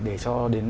để cho đến